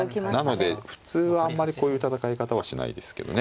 なので普通はあんまりこういう戦い方はしないですけどね。